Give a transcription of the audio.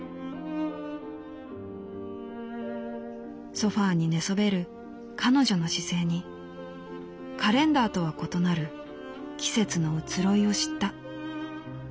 「ソファにねそべる彼女の姿勢にカレンダーとは異なる季節の移ろいを知った」。